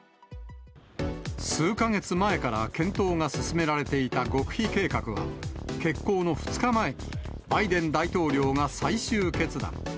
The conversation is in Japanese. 数か月前から検討が進められていた極秘計画は、決行の２日前に、バイデン大統領が最終決断。